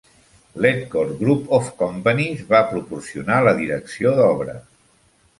Ledcor Group of Companies va proporcionar la direcció d'obra.